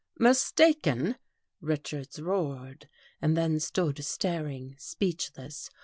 " Mistaken !" Richards roared, and then stood staring, speechless.